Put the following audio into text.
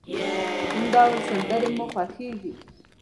کوم ډول سندری مو خوښیږی؟